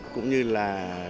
cũng như là